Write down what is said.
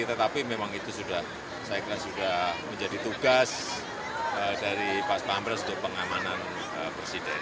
tetapi memang itu sudah saya kira sudah menjadi tugas dari pas pampres untuk pengamanan presiden